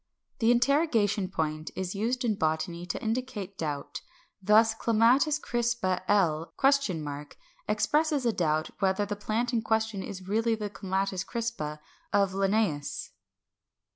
578. The interrogation point is used in botany to indicate doubt. Thus Clematis crispa, L.? expresses a doubt whether the plant in question is really the Clematis crispa of Linnæus.